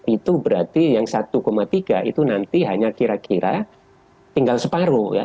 itu berarti yang satu tiga itu nanti hanya kira kira tinggal separuh ya